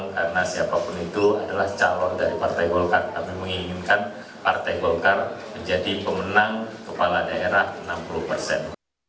kami menginginkan partai golkar menjadi pemenang kepala daerah enam puluh persen